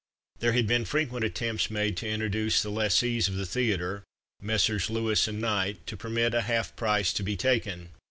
There had been frequent attempts made to induce the lessees of the theatre, Messrs. Lewis and Knight, to permit a half price to be taken.